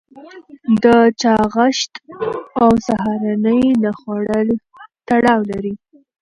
د چاغښت او سهارنۍ نه خوړل تړاو لري.